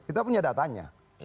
kita punya datanya